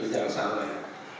jangan salah ya